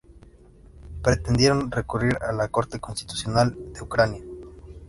Pretendieron recurrir a la Corte Constitucional de Ucrania.